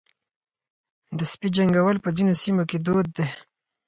د سپي جنګول په ځینو سیمو کې دود دی.